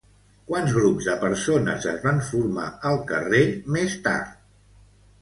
Quants grups de persones es van formar al carrer més tard?